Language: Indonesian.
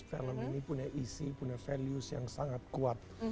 film ini punya isi punya values yang sangat kuat